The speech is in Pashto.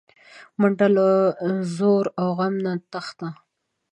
منډه له ځور او غم نه تښته